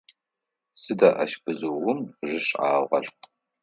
Сыда ащ бзыум ришӏагъэр?